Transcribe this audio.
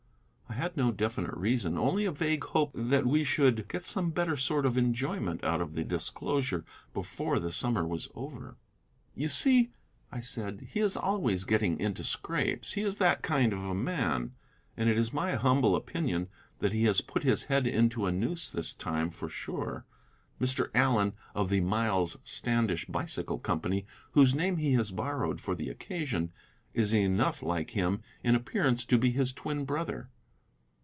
I had no definite reason, only a vague hope that we should get some better sort of enjoyment out of the disclosure before the summer was over. "You see," I said, "he is always getting into scrapes; he is that kind of a man. And it is my humble opinion that he has put his head into a noose this time, for sure. Mr. Allen, of the 'Miles Standish Bicycle Company,' whose name he has borrowed for the occasion, is enough like him in appearance to be his twin brother."